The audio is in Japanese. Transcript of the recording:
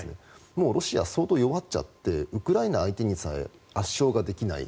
もうロシア相当弱っちゃってウクライナ相手にさえ圧勝ができない。